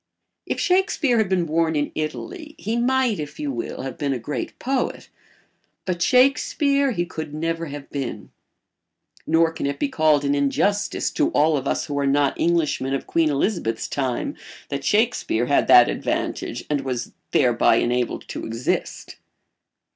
If Shakespeare had been born in Italy he might, if you will, have been a great poet, but Shakespeare he could never have been. Nor can it be called an injustice to all of us who are not Englishmen of Queen Elizabeth's time that Shakespeare had that advantage and was thereby enabled to exist.